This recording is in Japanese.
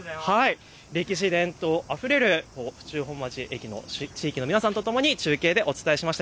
歴史、伝統あふれる府中本町駅の地域の皆さんとともに中継でお伝えしました。